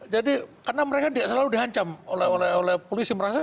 jadi karena mereka selalu dihancam oleh polisi merangsa